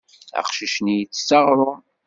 Aqcic-nni ittett aɣrum.